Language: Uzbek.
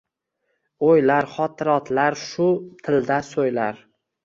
O’ylar, xotirotlar shu tilda so’ylar